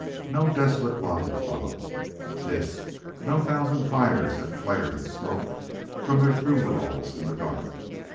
No desolate lava flow, this; no thousand fires that flared and smoked from their fumeroles in the dark.